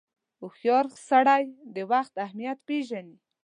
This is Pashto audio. • هوښیار سړی د وخت اهمیت پیژني.